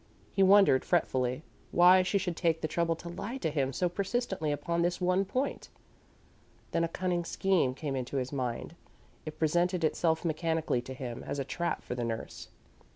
He wondered, fretfully, why she should take the trouble to lie to him so persistently upon this one point. Then a cunning scheme came into his mind. It presented itself mechanically to him as a trap for the nurse.